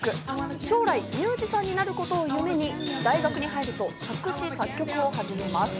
将来、ミュージシャンになることを夢に大学に入ると作詞作曲を始めます。